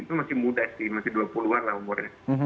itu masih muda sih masih dua puluh an lah umurnya